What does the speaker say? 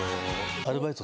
アルバイト！？